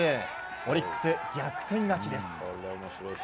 オリックス、逆転勝ちです。